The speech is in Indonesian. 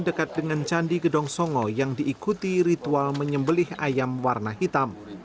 dekat dengan candi gedong songo yang diikuti ritual menyembelih ayam warna hitam